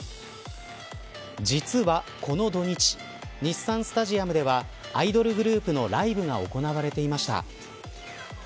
実は、この土日日産スタジアムではアイドルグループのライブが行われていました。